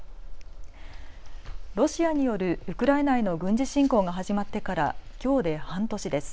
ロシアによるウクライナへの軍事侵攻が始まってからきょうで半年です。